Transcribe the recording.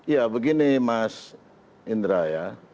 ya begini mas indra ya